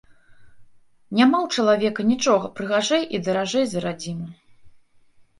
Няма ў чалавека нічога прыгажэй і даражэй за радзіму.